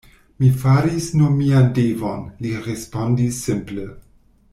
Mi faris nur mian devon, li respondis simple.